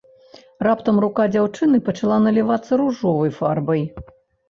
Раптам рука дзяўчыны пачала налівацца ружовай фарбай.